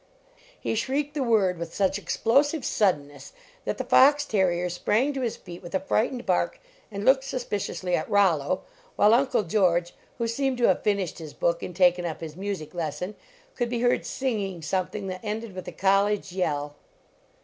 He shrieked the word with such explosive suddenness that the fox terrier sprang to his feet with a frightened bark and looked suspi ciously at Rollo, while Uncle George, who seemed to have finished his book and taken up his music lesson, could be heard singing something that ended with a college yell.